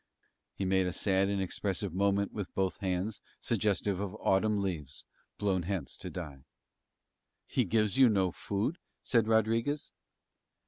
He made a sad and expressive movement with both his hands suggestive of autumn leaves blown hence to die. "He gives you no food?" said Rodriguez.